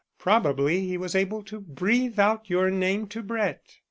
Probably he was able to breathe out your name to Brett.